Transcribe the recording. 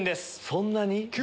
そんなに？